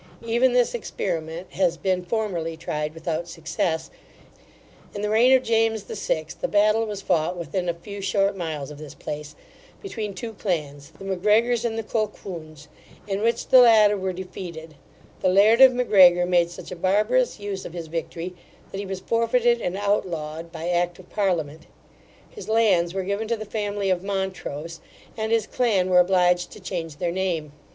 Even this experiment has been formerly tried without success In the reign of James VI a battle was fought within a few short miles of this place, between two clans, the M'Gregors and the Colquhouns, in which the latter were defeated: the Laird of M'Gregor made such a barbarous use of his victory, that he was forfeited and outlawed by act of parliament: his lands were given to the family of Montrose, and his clan were obliged to change their name.